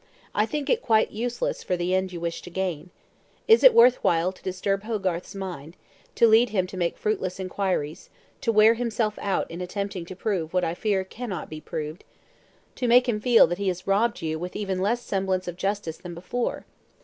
I think it quite useless for the end you wish to gain. Is it worth while to disturb Hogarth's mind, to lead him to make fruitless inquiries, to wear himself out in attempting to prove what I fear cannot be proved, to make him feel that he has robbed you with even less semblance of justice than before?